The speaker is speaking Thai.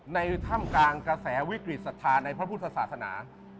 ถ้ำกลางกระแสวิกฤตศรัทธาในพระพุทธศาสนา